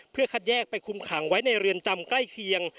เพื่อคัดแยกไปคุมขังไว้ในเรือนจำใกล้เคียง